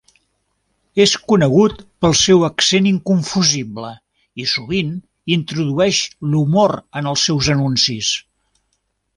És conegut pel seu accent inconfusible, i sovint introdueix l'humor en els seus anuncis.